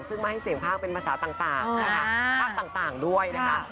ซึ่งมาให้เสียงภาคเป็นภาษาต่างด้วยนะครับ